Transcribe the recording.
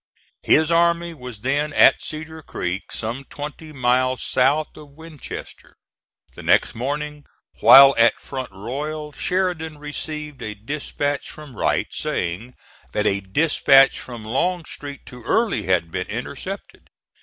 His army was then at Cedar Creek, some twenty miles south of Winchester. The next morning while at Front Royal, Sheridan received a dispatch from Wright, saying that a dispatch from Longstreet to Early had been intercepted.